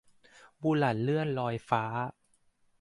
บุหลันเลื่อนลอยฟ้า